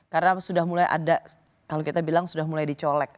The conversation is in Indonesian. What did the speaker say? karena sudah mulai ada kalau kita bilang sudah mulai dicolek atau dicolek